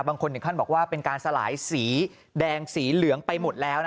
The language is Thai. ถึงขั้นบอกว่าเป็นการสลายสีแดงสีเหลืองไปหมดแล้ว